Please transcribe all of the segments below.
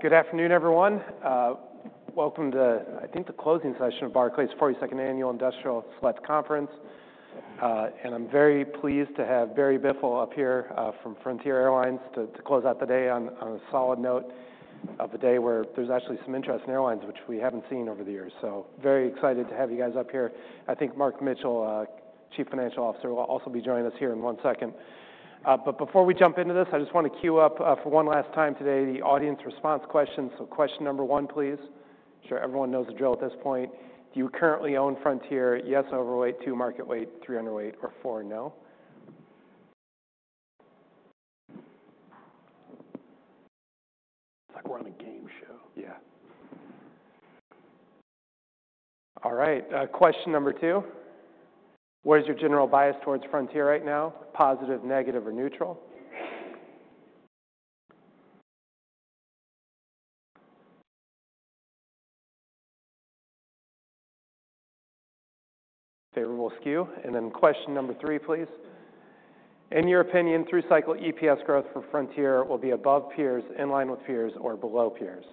Good afternoon, everyone. Welcome to, I think, the closing session of Barclays' 42nd Annual Industrial Select Conference. And I'm very pleased to have Barry Biffle, up here from Frontier Airlines to close out the day on a solid note of a day where there's actually some interest in airlines, which we haven't seen over the years. So very excited to have you guys up here. I think Mark Mitchell, Chief Financial Officer, will also be joining us here in one second. But before we jump into this, I just want to queue up for one last time today the audience response questions. So question number one, please. I'm sure everyone knows the drill at this point. Do you currently own Frontier? Yes, overweight, 2, market weight, 3, underweight, or 4, no? It's like we're on a game show. Yeah. All right. Question number two. What is your general bias towards Frontier right now? Positive, negative, or neutral? Favorable skew. And then question number three, please. In your opinion, through cycle, EPS growth for Frontier will be above peers, in line with peers, or below peers?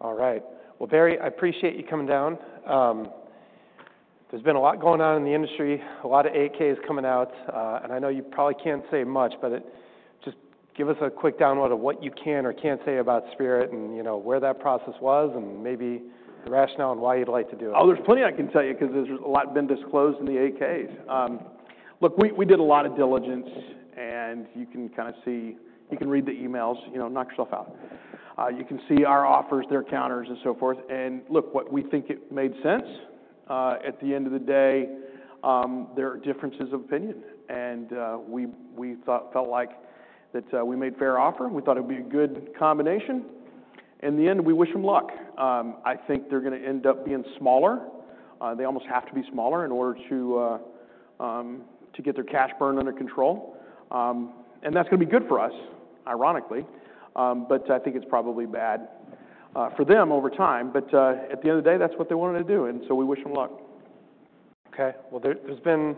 All right. Well, Barry, I appreciate you coming down. There's been a lot going on in the industry, a lot of 8-Ks coming out. And I know you probably can't say much, but just give us a quick download of what you can or can't say about Spirit, and where that process was and maybe the rationale and why you'd like to do it. Oh, there's plenty I can tell you because there's a lot been disclosed in the 8-Ks. Look, we did a lot of diligence, and you can kind of see you can read the emails, knock yourself out. You can see our offers, their counters, and so forth, and look, what we think made sense at the end of the day, there are differences of opinion, and we felt like that we made a fair offer. We thought it would be a good combination. In the end, we wish them luck. I think they're going to end up being smaller. They almost have to be smaller in order to get their cash burn under control, and that's going to be good for us, ironically, but I think it's probably bad for them over time, but at the end of the day, that's what they wanted to do. And so we wish them luck. Okay. Well, there's been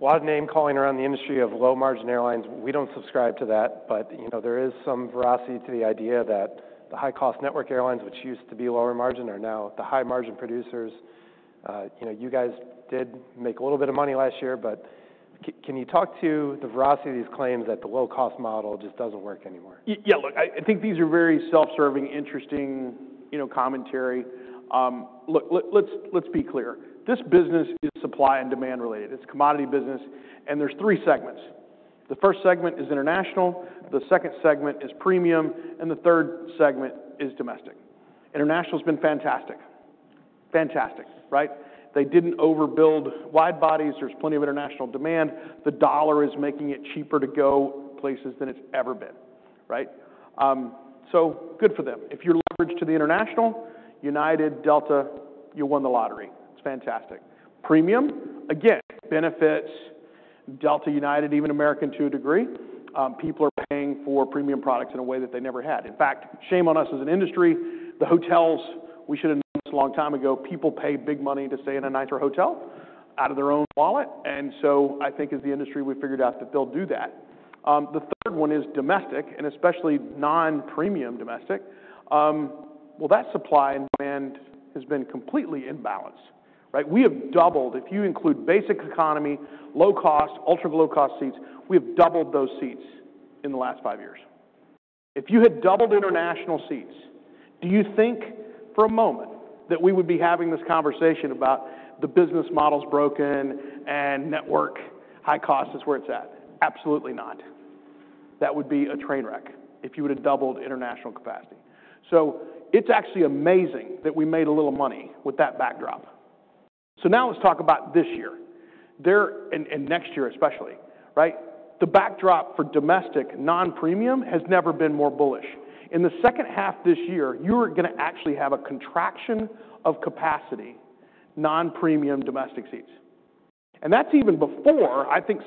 a lot of name-calling around the industry of low-margin airlines. We don't subscribe to that. But there is some veracity to the idea that the high-cost network airlines, which used to be lower margin, are now the high-margin producers. You guys did make a little bit of money last year. But can you talk to the veracity of these claims that the low-cost model just doesn't work anymore? Yeah. Look, I think these are very self-serving, interesting commentary. Look, let's be clear. This business is supply and demand related. It's a commodity business. And there's three segments. The first segment is international. The second segment is premium. And the third segment is domestic. International has been fantastic. Fantastic, right? They didn't overbuild wide bodies. There's plenty of international demand. The dollar is making it cheaper to go places than it's ever been, right? So good for them. If you're leveraged to the international, United, Delta, you won the lottery. It's fantastic. Premium, again, benefits Delta, United, even American to a degree. People are paying for premium products in a way that they never had. In fact, shame on us as an industry. The hotels, we should have known this a long time ago. People pay big money to stay in a Ritz hotel, out of their own wallet. And so I think as the industry, we figured out that they'll do that. The third one is domestic, and especially non-premium domestic. Well, that supply and demand has been completely imbalanced, right? We have doubled. If you include basic economy, low-cost, ultra-low-cost seats, we have doubled those seats in the last five years. If you had doubled international seats, do you think for a moment that we would be having this conversation about the business model's broken and network high cost is where it's at? Absolutely not. That would be a train wreck if you would have doubled international capacity. So it's actually amazing that we made a little money with that backdrop. So now let's talk about this year and next year especially, right? The backdrop for domestic non-premium has never been more bullish. In the second half this year, you're going to actually have a contraction of capacity, non-premium domestic seats. And that's even before, I think,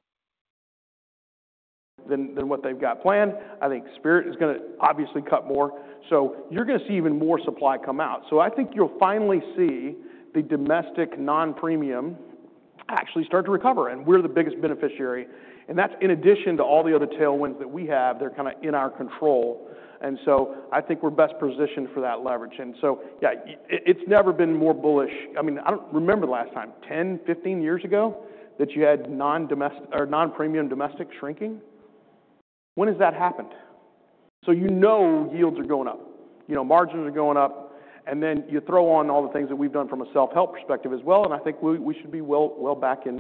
than what they've got planned. I think Spirit is going to obviously cut more. So you're going to see even more supply come out. So I think you'll finally see the domestic non-premium actually start to recover. And we're the biggest beneficiary. And that's in addition to all the other tailwinds that we have. They're kind of in our control. And so I think we're best positioned for that leverage. And so, yeah, it's never been more bullish. I mean, I don't remember the last time, 10, 15 years ago that you had non-premium domestic shrinking. When has that happened? So you know yields are going up, margins are going up. And then you throw on all the things that we've done from a self-help perspective as well. And I think we should be well back in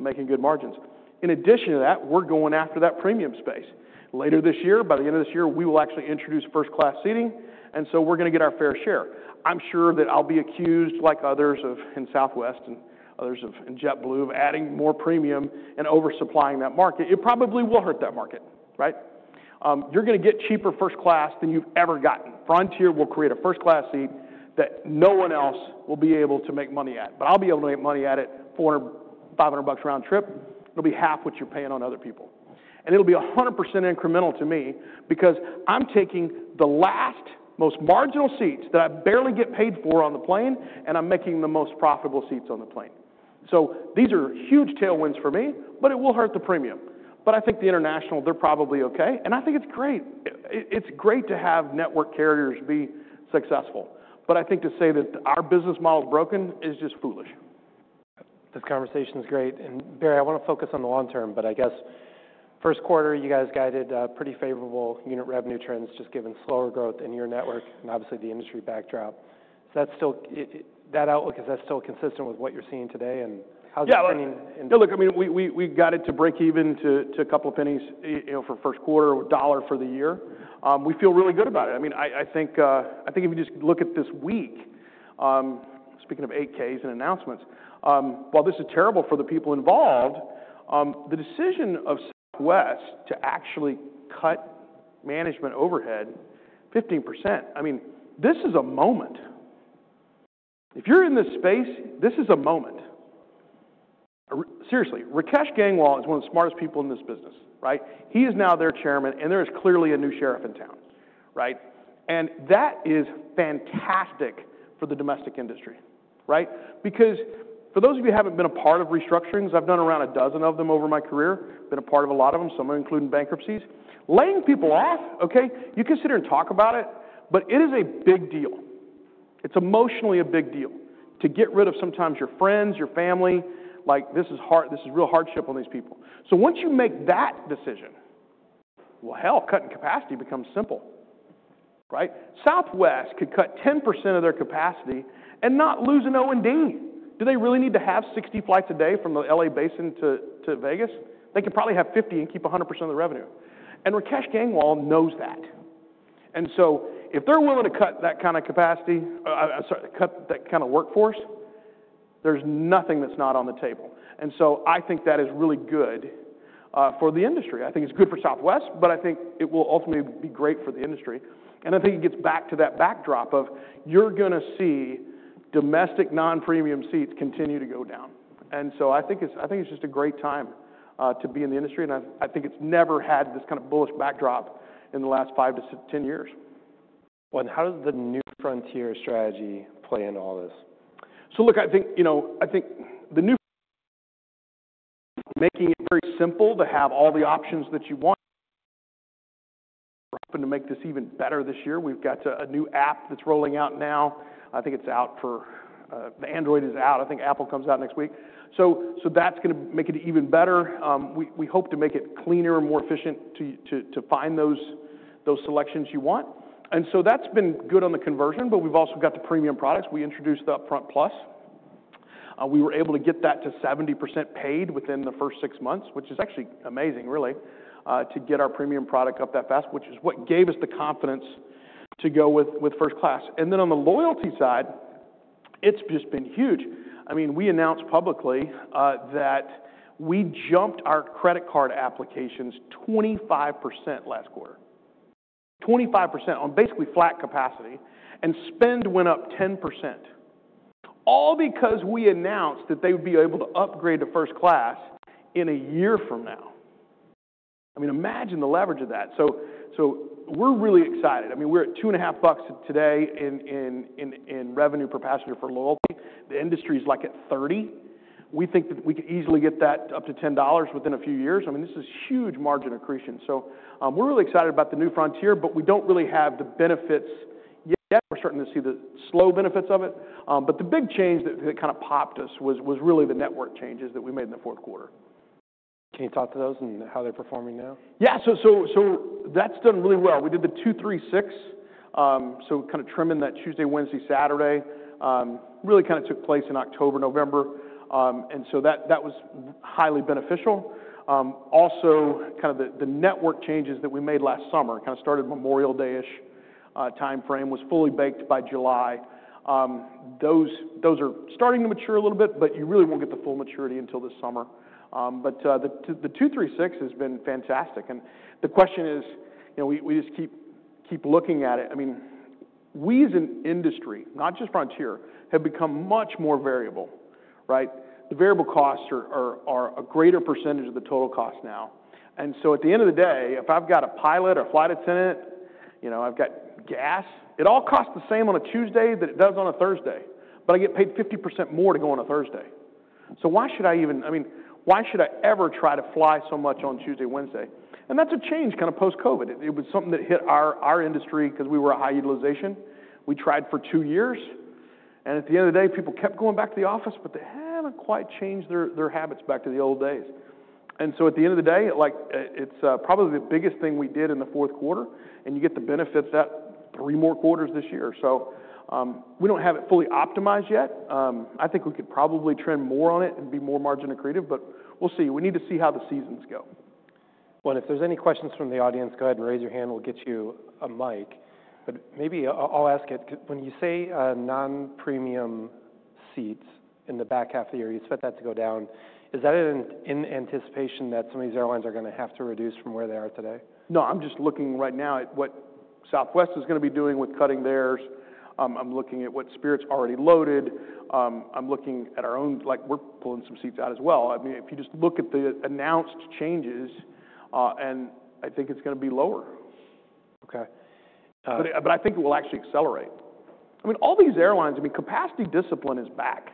making good margins. In addition to that, we're going after that premium space. Later this year, by the end of this year, we will actually introduce first-class seating. And so we're going to get our fair share. I'm sure that I'll be accused like others in Southwest and others in JetBlue, of adding more premium and oversupplying that market. It probably will hurt that market, right? You're going to get cheaper first class than you've ever gotten. Frontier will create a first-class seat that no one else will be able to make money at. But I'll be able to make money at it $400-$500 round trip. It'll be half what you're paying on other people. And it'll be 100% incremental to me because I'm taking the last most marginal seats that I barely get paid for on the plane, and I'm making the most profitable seats on the plane. So these are huge tailwinds for me, but it will hurt the premium. But I think the international, they're probably okay. And I think it's great. It's great to have network carriers be successful. But I think to say that our business model's broken is just foolish. This conversation is great. Barry, I want to focus on the long term. I guess first quarter, you guys guided pretty favorable unit revenue trends just given slower growth in your network and obviously the industry backdrop. That outlook, is that still consistent with what you're seeing today? How's it spinning? Yeah. Look, I mean, we got it to break even to a couple of pennies for first quarter, $1 for the year. We feel really good about it. I mean, I think if you just look at this week, speaking of 8-Ks and announcements, while this is terrible for the people involved, the decision of Southwest to actually cut management overhead 15%, I mean, this is a moment. If you're in this space, this is a moment. Seriously, Rakesh Gangwal is one of the smartest people in this business, right? He is now their chairman. And there is clearly a new sheriff in town, right? And that is fantastic for the domestic industry, right? Because for those of you who haven't been a part of restructurings, I've done around a dozen of them over my career, been a part of a lot of them, some of them including bankruptcies. Laying people off, okay, you consider and talk about it. But it is a big deal. It's emotionally a big deal to get rid of sometimes your friends, your family. This is real hardship on these people. So once you make that decision, well, hell, cutting capacity becomes simple, right? Southwest could cut 10% of their capacity and not lose an O&D. Do they really need to have 60 flights a day from the LA Basin to Vegas? They could probably have 50 and keep 100% of the revenue. And Rakesh Gangwal knows that. And so if they're willing to cut that kind of capacity, cut that kind of workforce, there's nothing that's not on the table. And so I think that is really good for the industry. I think it's good for Southwest, but I think it will ultimately be great for the industry. And I think it gets back to that backdrop of you're going to see domestic non-premium seats continue to go down. And so I think it's just a great time to be in the industry. And I think it's never had this kind of bullish backdrop in the last five to 10 years. How does the new Frontier strategy play into all this? So, look. I think the new making it very simple to have all the options that you want. We're hoping to make this even better this year. We've got a new app that's rolling out now. I think it's out for the Android. It's out. I think Apple comes out next week. So that's going to make it even better. We hope to make it cleaner and more efficient to find those selections you want. And so that's been good on the conversion. But we've also got the premium products. We introduced the Upfront Plus. We were able to get that to 70% paid within the first six months, which is actually amazing, really, to get our premium product up that fast, which is what gave us the confidence to go with first class. And then on the loyalty side, it's just been huge. I mean, we announced publicly that we jumped our credit card applications 25% last quarter, 25% on basically flat capacity, and spend went up 10%, all because we announced that they would be able to upgrade to first class in a year from now. I mean, imagine the leverage of that, so we're really excited. I mean, we're at $2.50 today in revenue per passenger for loyalty. The industry is like at $30. We think that we could easily get that up to $10 within a few years. I mean, this is huge margin accretion, so we're really excited about the new Frontier, but we don't really have the benefits yet. We're starting to see the slow benefits of it, but the big change that kind of popped us was really the network changes that we made in the fourth quarter. Can you talk to those and how they're performing now? Yeah. So that's done really well. We did the 2, 3, 6. So kind of trimming that Tuesday, Wednesday, Saturday really kind of took place in October, November. And so that was highly beneficial. Also, kind of the network changes that we made last summer kind of started Memorial Day-ish timeframe, was fully baked by July. Those are starting to mature a little bit. But you really won't get the full maturity until this summer. But the 2, 3, 6 has been fantastic. And the question is, we just keep looking at it. I mean, we as an industry, not just Frontier, have become much more variable, right? The variable costs are a greater percentage of the total cost now. And so at the end of the day, if I've got a pilot or a flight attendant, I've got gas, it all costs the same on a Tuesday that it does on a Thursday. But I get paid 50% more to go on a Thursday. So why should I even, I mean, why should I ever try to fly so much on Tuesday, Wednesday? And that's a change kind of post-COVID. It was something that hit our industry because we were a high utilization. We tried for two years. And at the end of the day, people kept going back to the office. But they haven't quite changed their habits back to the old days. And so at the end of the day, it's probably the biggest thing we did in the fourth quarter. And you get the benefits out three more quarters this year. So we don't have it fully optimized yet. I think we could probably trim more on it and be more margin accretive. But we'll see. We need to see how the seasons go. Well, and if there's any questions from the audience, go ahead and raise your hand. We'll get you a mic. But maybe I'll ask it. When you say non-premium seats in the back half of the year, you expect that to go down. Is that in anticipation that some of these airlines are going to have to reduce from where they are today? No. I'm just looking right now at what Southwest is going to be doing with cutting theirs. I'm looking at what Spirit's already loaded. I'm looking at our own, we're pulling some seats out as well. I mean, if you just look at the announced changes, and I think it's going to be lower. Okay. But I think it will actually accelerate. I mean, all these airlines, I mean, capacity discipline is back.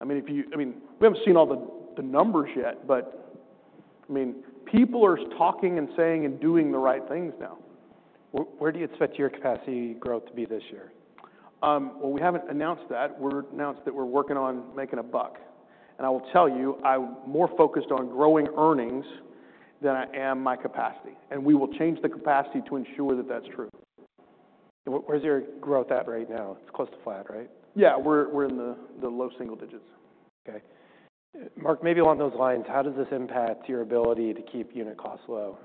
I mean, we haven't seen all the numbers yet. But I mean, people are talking and saying and doing the right things now. Where do you expect your capacity growth to be this year? We haven't announced that. We've announced that we're working on making a buck. I will tell you, I'm more focused on growing earnings than I am my capacity. We will change the capacity to ensure that that's true. Where's your growth at right now? It's close to flat, right? Yeah. We're in the low single digits. Okay. Mark, maybe along those lines, how does this impact your ability to keep unit costs low?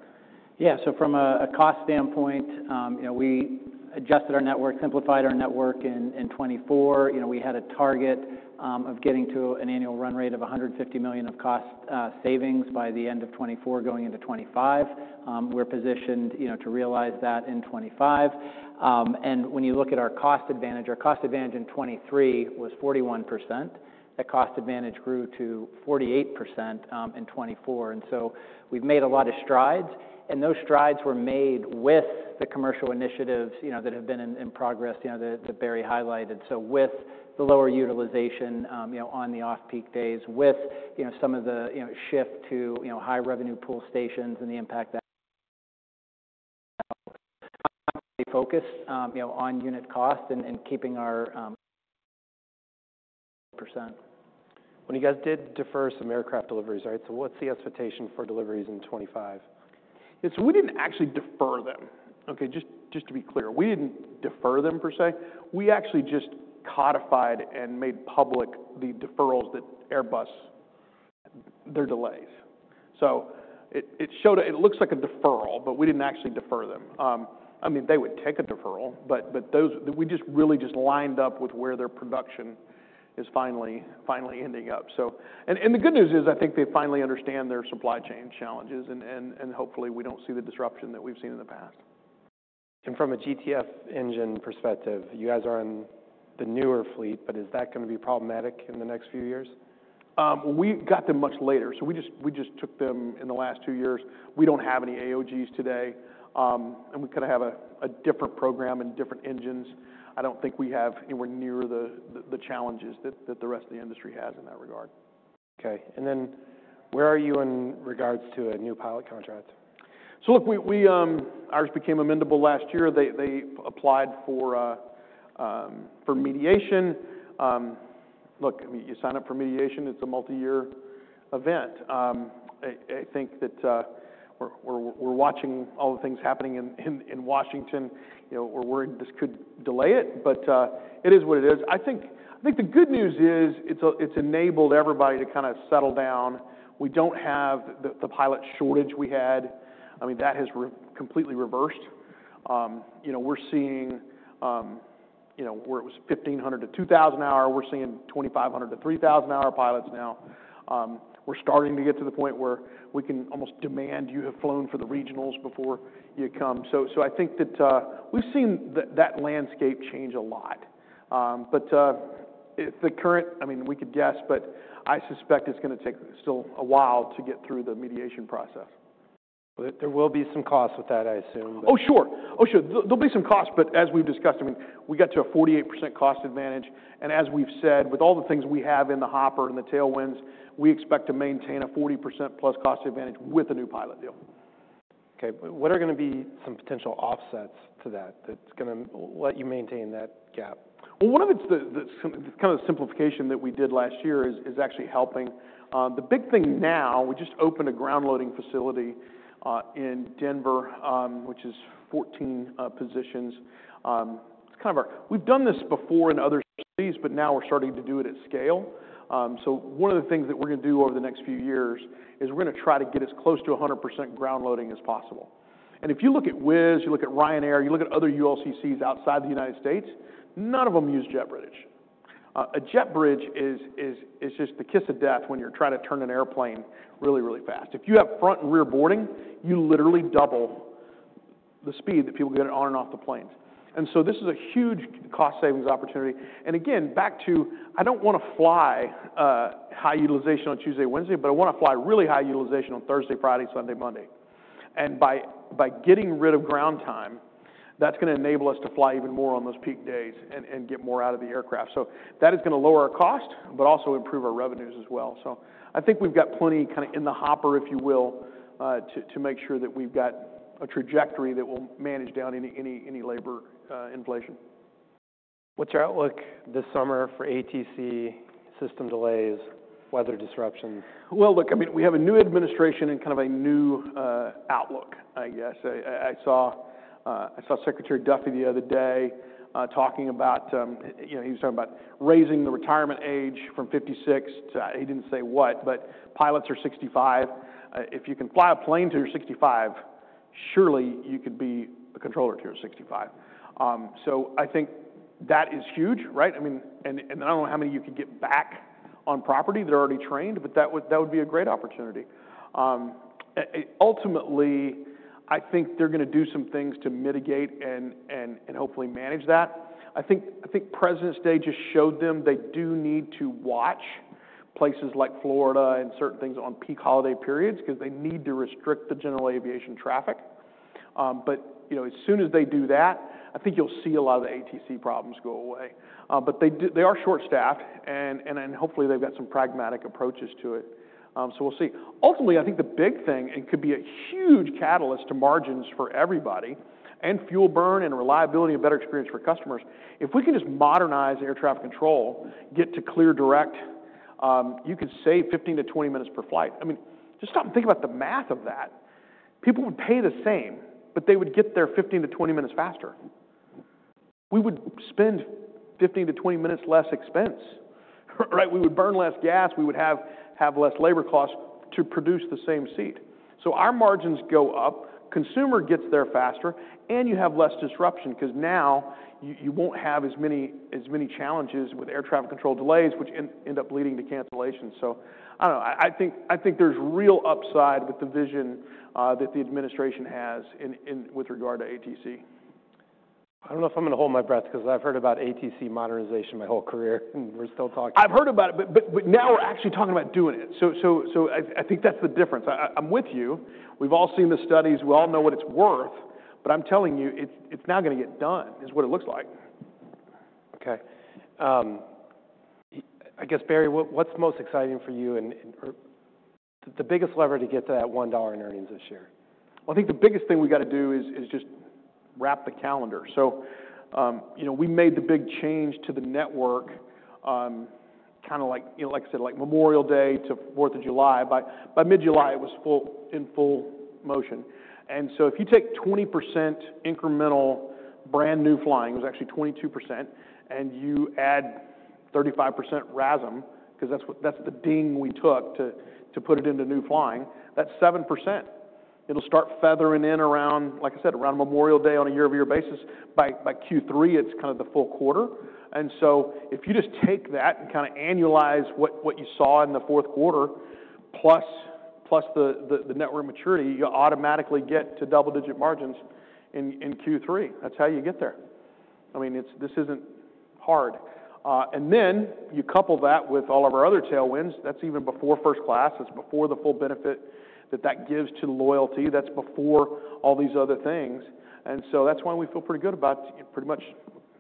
Yeah. So from a cost standpoint, we adjusted our network, simplified our network in 2024. We had a target of getting to an annual run rate of $150 million of cost savings by the end of 2024 going into 2025. We're positioned to realize that in 2025. And when you look at our cost advantage, our cost advantage in 2023 was 41%. That cost advantage grew to 48% in 2024. And so we've made a lot of strides. And those strides were made with the commercial initiatives that have been in progress that Barry highlighted. So with the lower utilization on the off-peak days, with some of the shift to high revenue pool stations and the impact that focused on unit cost and keeping our percent. You guys did defer some aircraft deliveries, right? What's the expectation for deliveries in 2025? Yeah. So we didn't actually defer them, okay, just to be clear. We didn't defer them per se. We actually just codified and made public the deferrals that Airbus, their delays. So it looks like a deferral. But we didn't actually defer them. I mean, they would take a deferral. But we just really just lined up with where their production is finally ending up. And the good news is I think they finally understand their supply chain challenges. And hopefully, we don't see the disruption that we've seen in the past. And from a GTF engine perspective, you guys are on the newer fleet. But is that going to be problematic in the next few years? We got them much later. So we just took them in the last two years. We don't have any AOGs today. And we kind of have a different program and different engines. I don't think we have anywhere near the challenges that the rest of the industry has in that regard. Okay, and then where are you in regards to a new pilot contract? So look, ours became amendable last year. They applied for mediation. Look, you sign up for mediation. It's a multi-year event. I think that we're watching all the things happening in Washington. We're worried this could delay it. But it is what it is. I think the good news is it's enabled everybody to kind of settle down. We don't have the pilot shortage we had. I mean, that has completely reversed. We're seeing where it was 1,500-2,000 an hour, we're seeing 2,500-3,000 an hour pilots now. We're starting to get to the point where we can almost demand you have flown for the regionals before you come. So I think that we've seen that landscape change a lot. But the current, I mean, we could guess. But I suspect it's going to take still a while to get through the mediation process. There will be some costs with that, I assume. Oh, sure. Oh, sure. There'll be some costs. But as we've discussed, I mean, we got to a 48% cost advantage. And as we've said, with all the things we have in the hopper and the tailwinds, we expect to maintain a 40% plus cost advantage with a new pilot deal. Okay. What are going to be some potential offsets to that that's going to let you maintain that gap? One of its kind of the simplification that we did last year is actually helping. The big thing now, we just opened a ground loading facility in Denver, which is 14 positions. It's kind of how we've done this before in other cities. But now we're starting to do it at scale. One of the things that we're going to do over the next few years is we're going to try to get as close to 100% ground loading as possible. If you look at Wizz, you look at Ryanair, you look at other ULCCs outside the United States, none of them use jet bridge. A jet bridge is just the kiss of death when you're trying to turn an airplane really, really fast. If you have front and rear boarding, you literally double the speed that people get on and off the planes. And so this is a huge cost savings opportunity. And again, back to I don't want to fly high utilization on Tuesday, Wednesday. But I want to fly really high utilization on Thursday, Friday, Sunday, Monday. And by getting rid of ground time, that's going to enable us to fly even more on those peak days and get more out of the aircraft. So that is going to lower our cost but also improve our revenues as well. So I think we've got plenty kind of in the hopper, if you will, to make sure that we've got a trajectory that will manage down any labor inflation. What's your outlook this summer for ATC system delays, weather disruptions? Look, I mean, we have a new administration and kind of a new outlook, I guess. I saw Secretary Duffy the other day talking about. He was talking about raising the retirement age from 56 to. He didn't say what. But pilots are 65. If you can fly a plane to your 65, surely you could be a controller to your 65. So I think that is huge, right? I mean, and I don't know how many you could get back on property that are already trained. But that would be a great opportunity. Ultimately, I think they're going to do some things to mitigate and hopefully manage that. I think President's Day just showed them they do need to watch places like Florida and certain things on peak holiday periods because they need to restrict the general aviation traffic. But as soon as they do that, I think you'll see a lot of the ATC problems go away. But they are short-staffed. And hopefully, they've got some pragmatic approaches to it. So we'll see. Ultimately, I think the big thing it could be a huge catalyst to margins for everybody and fuel burn and reliability and better experience for customers. If we can just modernize air traffic control, get to clear direct, you could save 15-20 minutes per flight. I mean, just stop and think about the math of that. People would pay the same. But they would get there 15-20 minutes faster. We would spend 15-20 minutes less expense, right? We would burn less gas. We would have less labor costs to produce the same seat. So our margins go up. Consumer gets there faster. You have less disruption because now you won't have as many challenges with Air Traffic Control delays, which end up leading to cancellations. I don't know. I think there's real upside with the vision that the administration has with regard to ATC. I don't know if I'm going to hold my breath because I've heard about ATC modernization my whole career, and we're still talking. I've heard about it. But now we're actually talking about doing it. So I think that's the difference. I'm with you. We've all seen the studies. We all know what it's worth. But I'm telling you, it's now going to get done is what it looks like. Okay. I guess, Barry, what's most exciting for you and the biggest lever to get to that $1 in earnings this year? I think the biggest thing we've got to do is just wrap the calendar. So we made the big change to the network kind of like, like I said, like Memorial Day to 4th of July. By mid-July, it was in full motion. And so if you take 20% incremental brand new flying, it was actually 22%. And you add 35% RASM because that's the ding we took to put it into new flying, that's 7%. It'll start feathering in around, like I said, around Memorial Day on a year-over-year basis. By Q3, it's kind of the full quarter. And so if you just take that and kind of annualize what you saw in the fourth quarter plus the network maturity, you automatically get to double-digit margins in Q3. That's how you get there. I mean, this isn't hard. And then you couple that with all of our other tailwinds. That's even before first class. That's before the full benefit that that gives to loyalty. That's before all these other things. And so that's why we feel pretty good about pretty much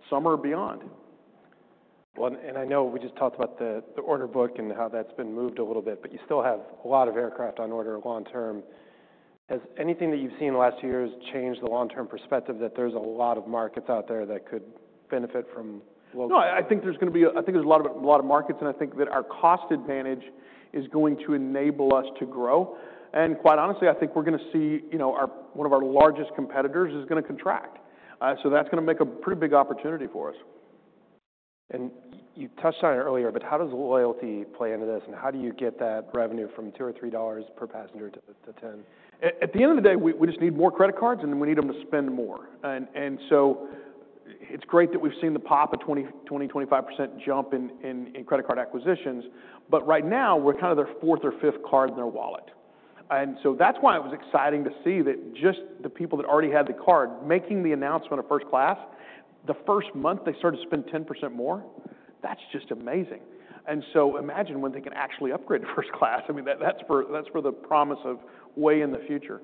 summer beyond. Well, and I know we just talked about the order book and how that's been moved a little bit. But you still have a lot of aircraft on order long-term. Has anything that you've seen in the last two years changed the long-term perspective that there's a lot of markets out there that could benefit from low? No. I think there's going to be a lot of markets. And I think that our cost advantage is going to enable us to grow. And quite honestly, I think we're going to see one of our largest competitors is going to contract. So that's going to make a pretty big opportunity for us. You touched on it earlier. How does loyalty play into this? How do you get that revenue from $2 or $3 per passenger to $10? At the end of the day, we just need more credit cards, and then we need them to spend more. And so it's great that we've seen the pop of a 20-25% jump in credit card acquisitions. But right now, we're kind of their fourth or fifth card in their wallet. And so that's why it was exciting to see that just the people that already had the card making the announcement of first class, the first month they started to spend 10% more. That's just amazing. And so imagine when they can actually upgrade to first class. I mean, that's for the promise of way in the future.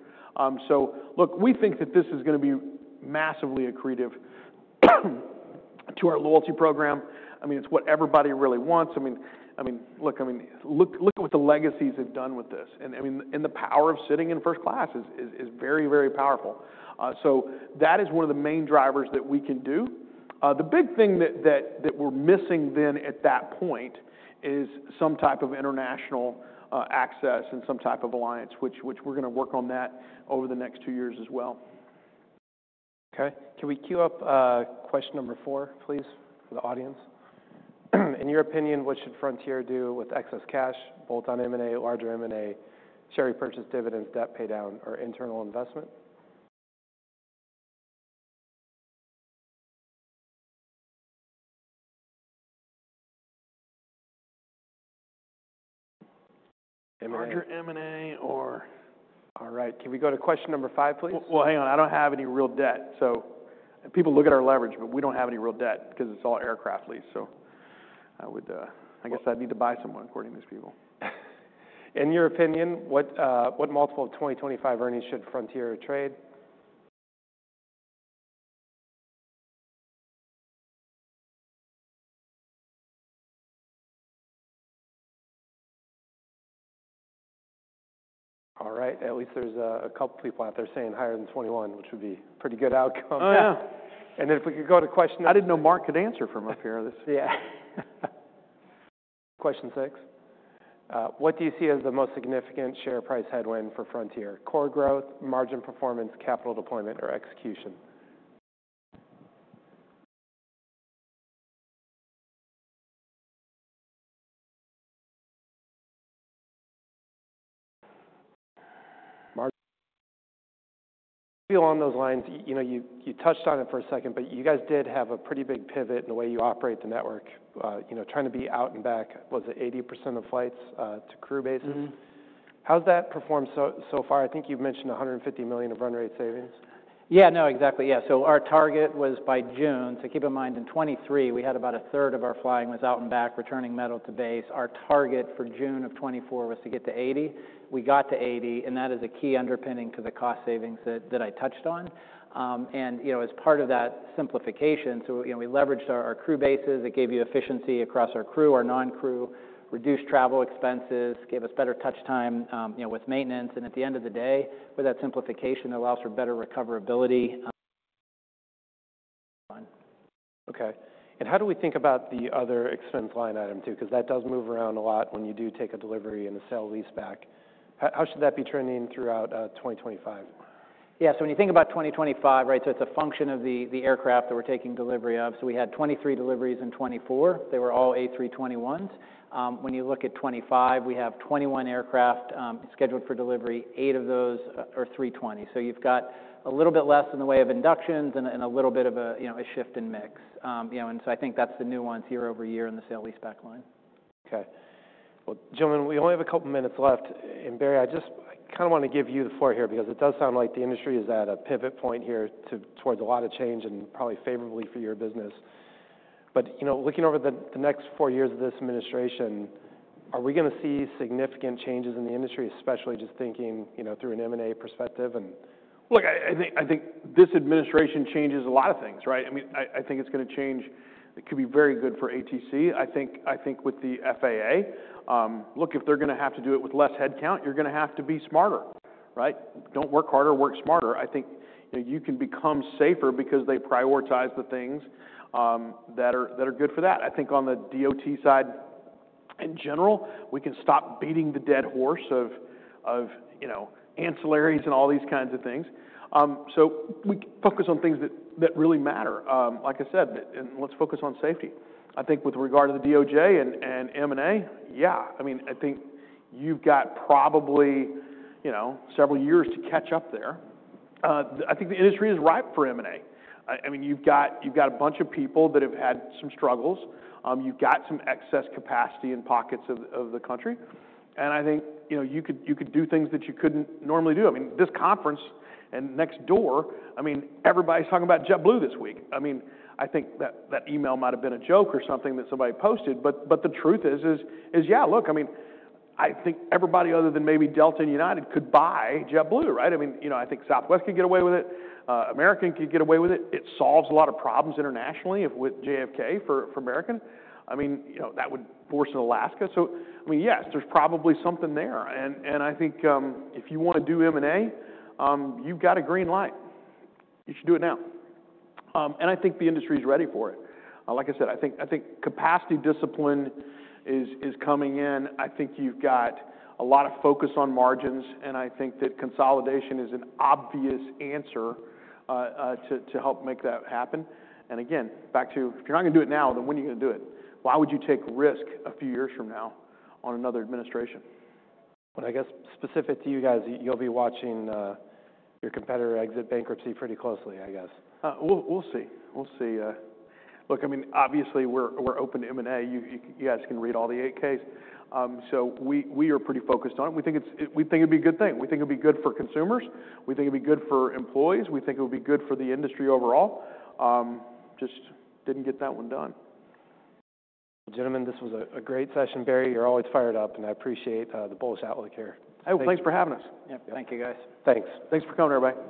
So look, we think that this is going to be massively accretive to our loyalty program. I mean, it's what everybody really wants. I mean, look, I mean, look at what the legacies have done with this. I mean, the power of sitting in first class is very, very powerful. That is one of the main drivers that we can do. The big thing that we're missing then at that point is some type of international access and some type of alliance, which we're going to work on that over the next two years as well. Okay. Can we queue up question number four, please, for the audience? In your opinion, what should Frontier do with excess cash, bolt-on M&A, larger M&A, share repurchase, dividends, debt paydown, or internal investment? Larger M&A or? All right. Can we go to question number five, please? Hang on. I don't have any real debt. So people look at our leverage. But we don't have any real debt because it's all aircraft lease. So I guess I'd need to buy some more according to these people. In your opinion, what multiple of 2025 earnings should Frontier trade? All right. At least there's a couple people out there saying higher than 21, which would be a pretty good outcome. Oh, yeah. And then if we could go to question number. I didn't know Mark could answer from up here. Yeah. Question six. What do you see as the most significant share price headwind for Frontier? Core growth, margin performance, capital deployment, or execution? Mark. Feel on those lines. You touched on it for a second. But you guys did have a pretty big pivot in the way you operate the network, trying to be out and back. Was it 80% of flights to crew bases? How's that performed so far? I think you've mentioned $150 million of run rate savings. Yeah. No, exactly. Yeah. So our target was by June. So keep in mind, in 2023, we had about a third of our flying was out and back, returning metal to base. Our target for June of 2024 was to get to 80. We got to 80. And that is a key underpinning to the cost savings that I touched on. And as part of that simplification, so we leveraged our crew bases. It gave you efficiency across our crew, our non-crew, reduced travel expenses, gave us better touch time with maintenance. And at the end of the day, with that simplification, it allows for better recoverability. Okay. And how do we think about the other expense line item too? Because that does move around a lot when you do take a delivery and a sale-leaseback. How should that be trending throughout 2025? Yeah. So when you think about 2025, right, so it's a function of the aircraft that we're taking delivery of. So we had 23 deliveries in 2024. They were all A321s. When you look at 2025, we have 21 aircraft scheduled for delivery. Eight of those are 320. So you've got a little bit less in the way of inductions and a little bit of a shift in mix. And so I think that's the nuance year over year in the sale lease back line. Okay. Well, gentlemen, we only have a couple minutes left. And Barry, I just kind of want to give you the floor here because it does sound like the industry is at a pivot point here towards a lot of change and probably favorably for your business. But looking over the next four years of this administration, are we going to see significant changes in the industry, especially just thinking through an M&A perspective? Look, I think this administration changes a lot of things, right? I mean, I think it's going to change. It could be very good for ATC, I think, with the FAA. Look, if they're going to have to do it with less headcount, you're going to have to be smarter, right? Don't work harder. Work smarter. I think you can become safer because they prioritize the things that are good for that. I think on the DOT side, in general, we can stop beating the dead horse of ancillaries and all these kinds of things. So we focus on things that really matter, like I said. And let's focus on safety. I think with regard to the DOJ and M&A, yeah. I mean, I think you've got probably several years to catch up there. I think the industry is ripe for M&A. I mean, you've got a bunch of people that have had some struggles. You've got some excess capacity in pockets of the country. And I think you could do things that you couldn't normally do. I mean, this conference and next door, I mean, everybody's talking about JetBlue this week. I mean, I think that email might have been a joke or something that somebody posted. But the truth is, yeah, look, I mean, I think everybody other than maybe Delta and United could buy JetBlue, right? I mean, I think Southwest could get away with it. American could get away with it. It solves a lot of problems internationally with JFK for American. I mean, that would force an Alaska. So I mean, yes, there's probably something there. And I think if you want to do M&A, you've got a green light. You should do it now. I think the industry is ready for it. Like I said, I think capacity discipline is coming in. I think you've got a lot of focus on margins. I think that consolidation is an obvious answer to help make that happen. Again, back to if you're not going to do it now, then when are you going to do it? Why would you take risk a few years from now on another administration? I guess specific to you guys, you'll be watching your competitor exit bankruptcy pretty closely, I guess. We'll see. We'll see. Look, I mean, obviously, we're open to M&A. You guys can read all the 8-Ks. So we are pretty focused on it. We think it'd be a good thing. We think it'd be good for consumers. We think it'd be good for employees. We think it would be good for the industry overall. Just didn't get that one done. Gentlemen, this was a great session. Barry, you're always fired up. I appreciate the bullish outlook here. Hey, well, thanks for having us. Yeah. Thank you, guys. Thanks. Thanks for coming, everybody.